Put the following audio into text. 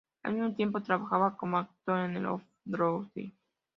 Al mismo tiempo trabaja como actor en el Off-Broadway.